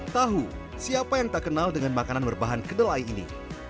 tahu siapa yang tak kenal dengan makanan berbahan kedelai ini